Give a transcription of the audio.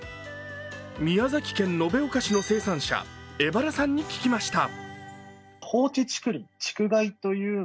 宮崎県延岡市の生産者、江原さんに聞きました。